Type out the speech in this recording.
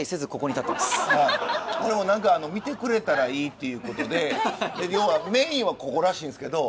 これもうなんか見てくれたらいいっていう事で要はメインはここらしいんですけど。